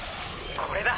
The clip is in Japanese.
これだ！